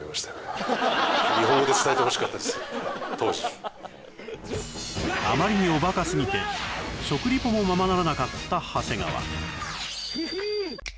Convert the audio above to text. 当時あまりにおバカすぎて食リポもままならなかった長谷川ヒヒーン